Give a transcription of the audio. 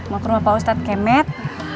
mau ke rumah pak ustadz kemet